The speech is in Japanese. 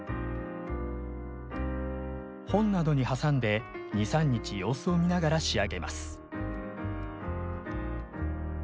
本などに挟んで２３日様子を見ながら仕上げます。